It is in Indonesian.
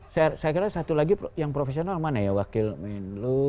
saya kira satu lagi yang profesional mana ya wakil menlu